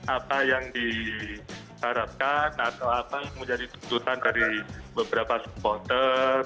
apa yang diharapkan atau apa menjadi tuntutan dari beberapa supporter